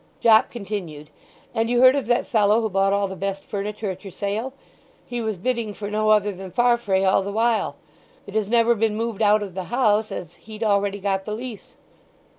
Jopp continued: "And you heard of that fellow who bought all the best furniture at your sale? He was bidding for no other than Farfrae all the while! It has never been moved out of the house, as he'd already got the lease."